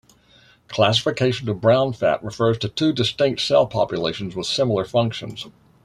Classification of brown fat refers to two distinct cell populations with similar functions.